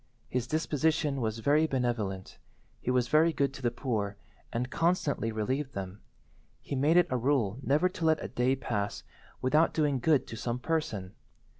His disposition was very benevolent. He was very good to the poor, and constantly relieved them. He made it a rule never to let a day pass without doing good to some person.